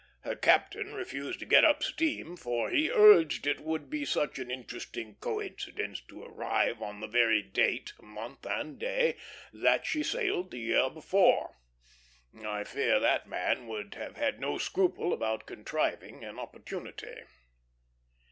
Her captain refused to get up steam; for, he urged, it would be such an interesting coincidence to arrive on the very date, month and day, that she sailed the year before. I fear that man would have had no scruple about contriving an opportunity.